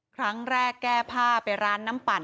ครั้งแรกแก้ผ้าไปร้านน้ำปั่น